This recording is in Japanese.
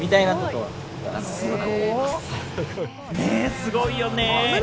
すごいよね！